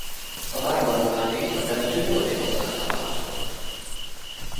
A vár maradványai a temető nyugati oldalán találhatóak.